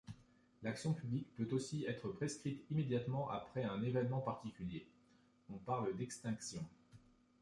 L'action publique peut aussi être prescrite immédiatement après un événement particulier, on parle d'extinction.